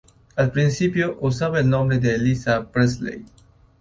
Al principio usaba el nombre de Eliza Presley.